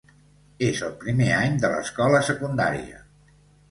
És el primer any de l'escola secundària.